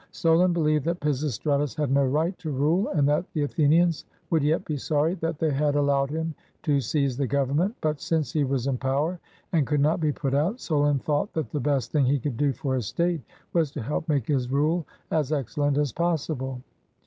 Solon beheved that Pisistratus had no right to rule and that the Athenians would yet be sorry that they had allowed him to seize the government; but since he was in power and could not be put out, Solon thought that the best thing he could do for his state was to help make his rule as excellent as possible.